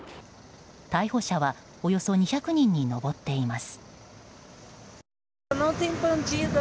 逮捕者は、およそ２００人に上っています。